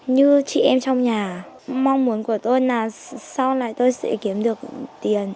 như chị em trong nhà mong muốn của tôi là sau này tôi sẽ kiếm được tiền